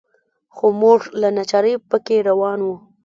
خو موږ له ناچارۍ په کې روان وو.